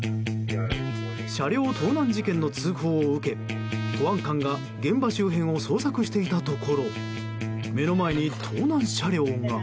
車両盗難事件の通報を受け保安官が現場周辺を捜索していたところ目の前に盗難車両が。